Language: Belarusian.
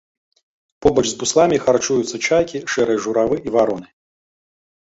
Побач з бусламі харчуюцца чайкі, шэрыя журавы і вароны.